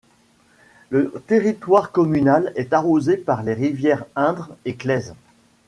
Le territoire communal est arrosé par les rivières Indre et Claise.